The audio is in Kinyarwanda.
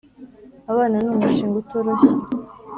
Abana ni umushinga utoroshye